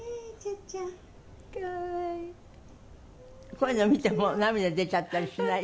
こういうの見ても涙出ちゃったりしない？